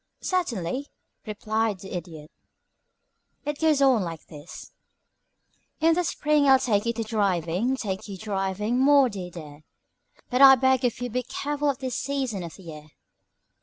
"Certainly," replied the Idiot. "It goes on like this: "In the spring I'll take you driving, take you driving, Maudy dear, But I beg of you be careful at this season of the year.